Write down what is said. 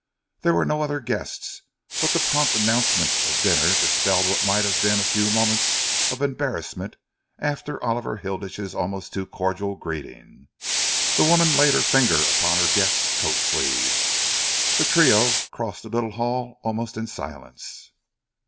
There was no other guest, but the prompt announcement of dinner dispelled what might have been a few moments of embarrassment after Oliver Hilditch's almost too cordial greeting. The woman laid her fingers upon her guest's coat sleeve. The trio crossed the little hall almost in silence.